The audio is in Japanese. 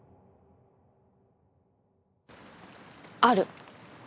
ある。